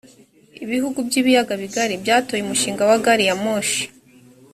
ibihugu by’ ibiyaga bigari byatoye umushinga wa gariyamoshi